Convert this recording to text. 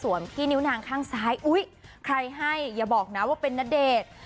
ที่นิ้วนางข้างซ้ายอุ๊ยใครให้อย่าบอกนะว่าเป็นณเดชน์